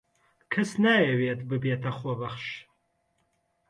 کەس نایەوێت ببێتە خۆبەخش.